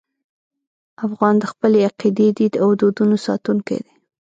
افغان د خپلې عقیدې، دین او دودونو ساتونکی دی.